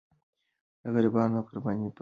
د غریبانو قرباني به نور نه کېږي.